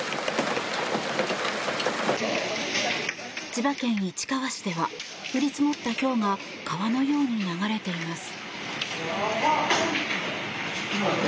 千葉県市川市では降り積もったひょうが川のように流れています。